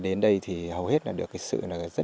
đến đây thì hầu hết được sự